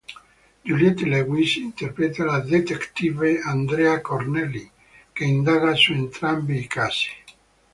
Juliette Lewis interpreta la Detective Andrea Cornell, che indaga su entrambi i casi.